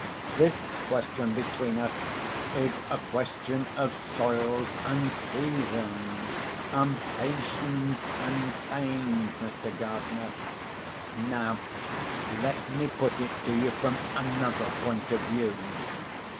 "This question between us is a question of soils and seasons, and patience and pains, Mr. Gardener. Now let me put it to you from another point of view.